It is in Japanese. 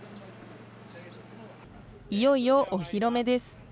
いよいよお披露目です。